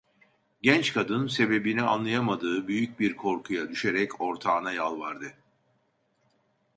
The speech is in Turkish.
Genç kadın sebebini anlayamadığı büyük bir korkuya düşerek ortağına yalvardı…